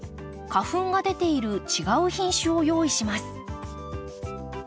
花粉が出ている違う品種を用意します。